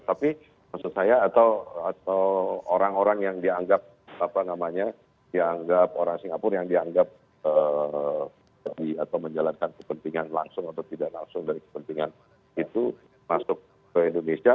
tapi maksud saya atau orang orang yang dianggap orang singapura yang dianggap menjalankan kepentingan langsung atau tidak langsung dari kepentingan itu masuk ke indonesia